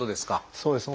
そうですね。